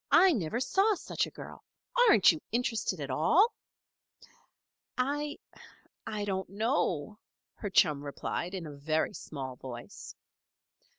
"I never saw such a girl. Aren't you interested at all?" "I I don't know," her chum replied in a very small voice.